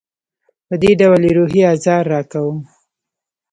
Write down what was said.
په دې ډول یې روحي آزار راکاوه.